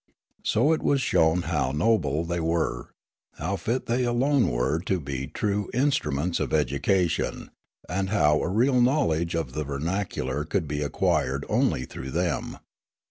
So it was shown how no ble they were, how fit they alone were to be true in struments of education, and how a real knowledge of the vernacular could be acquired only through them.